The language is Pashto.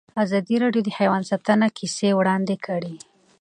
ازادي راډیو د حیوان ساتنه کیسې وړاندې کړي.